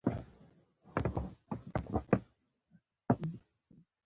د ازموینو موخه یوازې نومره اخیستل نه بلکې د پوهې ارزول دي.